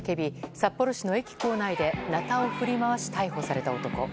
札幌市の駅構内でなたを振り回し逮捕された男。